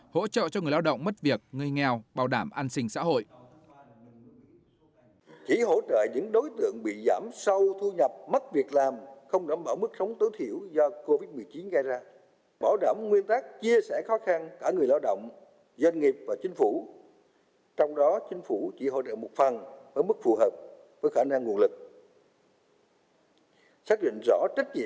hỗ trợ cho người lao động mất việc người nghèo bảo đảm an sinh xã hội